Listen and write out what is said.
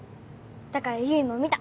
だから唯も見た。